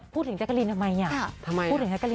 พูดถึงแจกรินทำไม